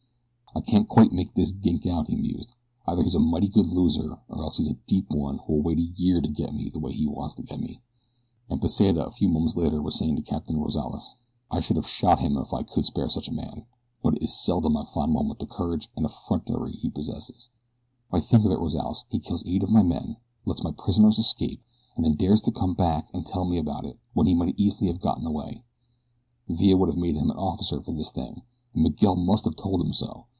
"I can't quite make that gink out," he mused. "Either he's a mighty good loser or else he's a deep one who'll wait a year to get me the way he wants to get me." And Pesita a few moments later was saying to Captain Rozales: "I should have shot him if I could spare such a man; but it is seldom I find one with the courage and effrontery he possesses. Why think of it, Rozales, he kills eight of my men, and lets my prisoners escape, and then dares to come back and tell me about it when he might easily have gotten away. Villa would have made him an officer for this thing, and Miguel must have told him so.